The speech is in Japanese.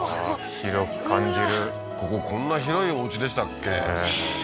広く感じるこここんな広いおうちでしたっけね